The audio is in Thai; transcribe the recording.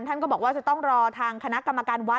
ท่านก็บอกว่าจะต้องรอทางคณะกรรมการวัด